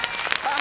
あ